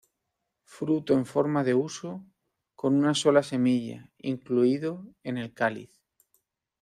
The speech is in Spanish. Fruto en forma de huso, con una sola semilla, incluido en el cáliz.